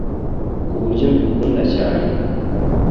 ku buryo mbikunda cyane